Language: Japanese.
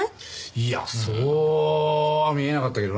いやそうは見えなかったけどね。